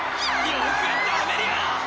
よくやったアメリア！